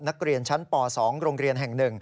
นักเรียนชั้นป๒โรงเรียนแห่ง๑